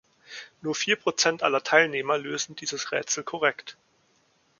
Nur vier Prozent aller Teilnehmer lösen dieses Rätsel korrekt.